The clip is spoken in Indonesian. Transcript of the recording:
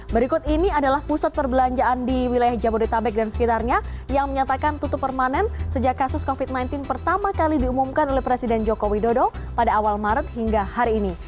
berikut ini adalah pusat perbelanjaan di wilayah jabodetabek dan sekitarnya yang menyatakan tutup permanen sejak kasus covid sembilan belas pertama kali diumumkan oleh presiden joko widodo pada awal maret hingga hari ini